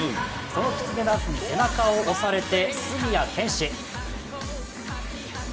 そのきつねダンスに背中を押されて杉谷拳士。